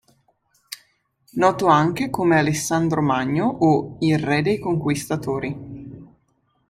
Noto anche come Alessandro Magno o "Il re dei conquistatori".